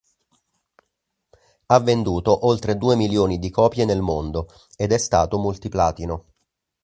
Ha venduto oltre due milioni di copie nel mondo, ed è stato multiplatino.